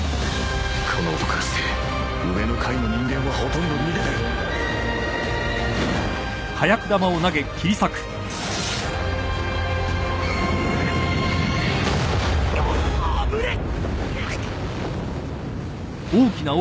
この音からして上の階の人間はほとんど逃げてるうおっ危ねえ！